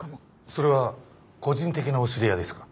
それは個人的なお知り合いですか？